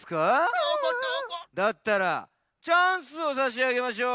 だったらチャンスをさしあげましょう。